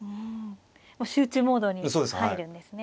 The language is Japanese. もう集中モードに入るんですね。